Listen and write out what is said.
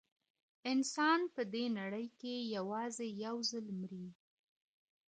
انسان په دې نړۍ کي یوازې یو ځل مري.